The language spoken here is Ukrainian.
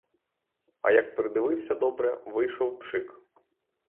А як придивився добре — вийшов пшик.